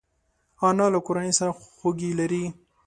انا له کورنۍ سره خواخوږي لري